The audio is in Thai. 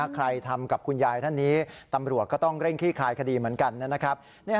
ใครทำกับคุณยายท่านนี้ตำรวจก็ต้องเร่งขี้คลายคดีเหมือนกันนะครับ